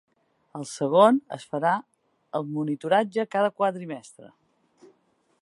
El segon es farà un monitoratge cada quadrimestre.